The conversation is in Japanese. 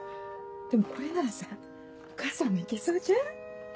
でもこれならさお母さんも行けそうじゃん。